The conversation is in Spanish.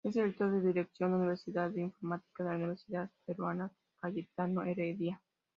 Es director de la Dirección Universitaria de Informática de la Universidad Peruana Cayetano Heredia.